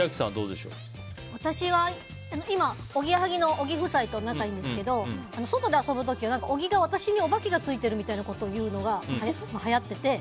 私は今、おぎやはぎの小木夫妻と仲がいいんですけど外で遊ぶとき、小木が私におばけがついてる、みたいに言うのがはやってて。